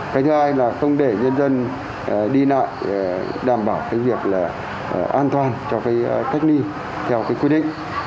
cái thứ hai là không để nhân dân đi lại đảm bảo cái việc là an toàn cho cách ly theo cái quy định